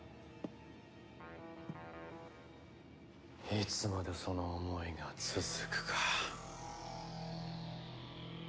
いつまでその思いが続くか。